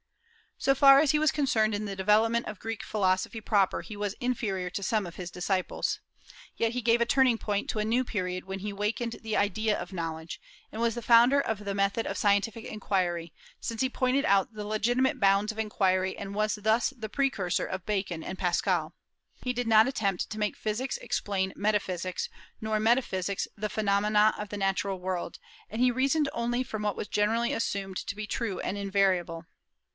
So far as he was concerned in the development of Greek philosophy proper, he was inferior to some of his disciples, Yet he gave a turning point to a new period when he awakened the idea of knowledge, and was the founder of the method of scientific inquiry, since he pointed out the legitimate bounds of inquiry, and was thus the precursor of Bacon and Pascal. He did not attempt to make physics explain metaphysics, nor metaphysics the phenomena of the natural world; and he reasoned only from what was generally assumed to be true and invariable.